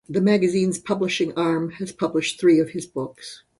The magazine's publishing arm has published three of his books.